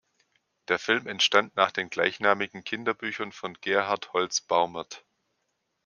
Der Film entstand nach den gleichnamigen Kinderbüchern von Gerhard Holtz-Baumert.